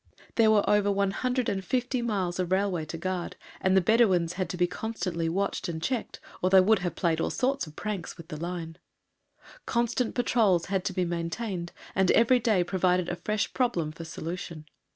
There were over 150 miles of railway to guard, and the Bedouins had to be constantly watched and checked, or they would have played all sorts of pranks with the line. Constant patrols had to be maintained, and every day provided a fresh problem for solution.